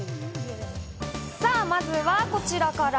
さぁまずはこちらから。